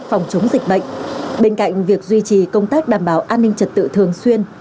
phòng chống dịch bệnh bên cạnh việc duy trì công tác đảm bảo an ninh trật tự thường xuyên